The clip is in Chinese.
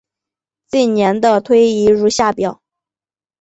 近年的推移如下表。